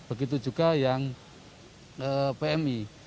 begitu juga yang pmi